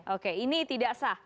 oke ini tidak sah